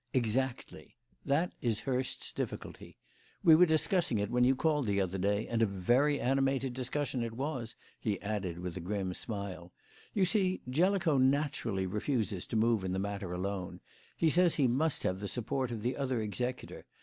"Exactly. That is Hurst's difficulty. We were discussing it when you called the other day, and a very animated discussion it was," he added, with a grim smile. "You see, Jellicoe naturally refuses to move in the matter alone. He says he must have the support of the other executor.